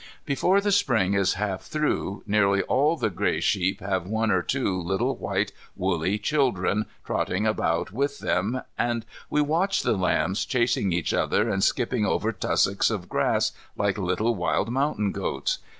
Before the Spring is half through nearly all the grey sheep have one or two little white woolly children trotting about with them, and we watch the lambs chasing each other and skipping over tussocks of grass like little wild mountain goats.